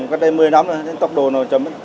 cách đây một mươi năm rồi nhưng tốc độ nó chấm